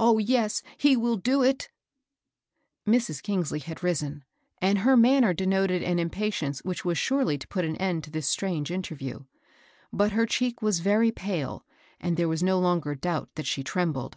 Oh^ yes, he will do it 1 " Mrs. Eangsley had risen, aad h^ manner d^ioted an impatience which was imrely to put an end to this stmnge mterview. But lier cheek was very pale, and there was mi hsoff/t doubt that she trembled.